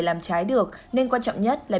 làm trái được nên quan trọng nhất là